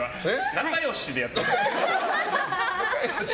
仲良しでやってるの。